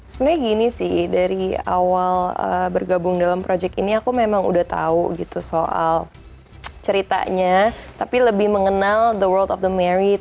sebenarnya gini sih dari awal bergabung dalam project ini aku memang udah tahu gitu soal ceritanya tapi lebih mengenal the world of the married